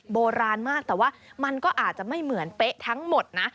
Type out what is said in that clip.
โบราณมากแต่ว่ามันก็อาจจะไม่เหมือนเป๊ะทั้งหมดนะ